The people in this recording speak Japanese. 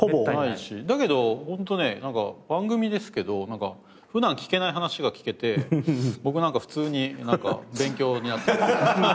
だけどホントねなんか番組ですけど普段聞けない話が聞けて僕なんか普通に勉強になってます。